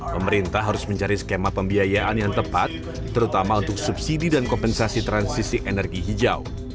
pemerintah harus mencari skema pembiayaan yang tepat terutama untuk subsidi dan kompensasi transisi energi hijau